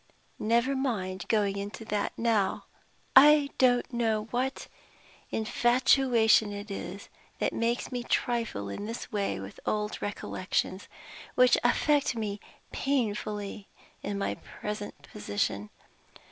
Never mind going into that now! I don't know what infatuation it is that makes me trifle in this way with old recollections, which affect me painfully in my present position.